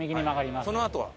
そのあとは？